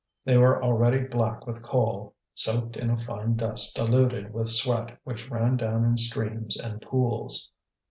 They were already black with coal, soaked in a fine dust diluted with sweat which ran down in streams and pools.